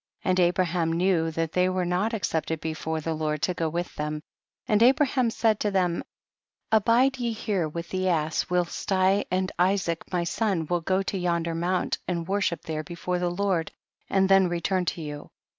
And Abraham knew that they were not accepted before the Lord to go with them, and Abraham said lo them, abide ye here with the ass whilst I and Isaac my son will go to yonder mount and worship there before the Lord and then return to you.